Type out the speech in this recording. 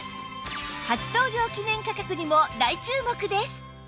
初登場記念価格にも大注目です